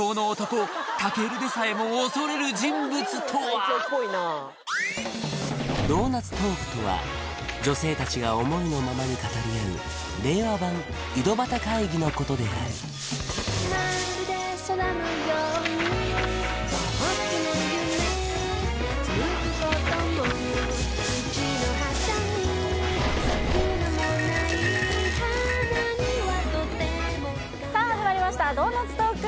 そしてドーナツトークとは女性達が思いのままに語り合う令和版井戸端会議のことであるさあ始まりました「ドーナツトーク」